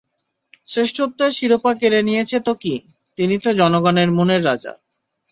শ্রেষ্ঠত্বের শিরোপা কেড়ে নিয়েছে তো কী, তিনি তো জনগণের মনের রাজা।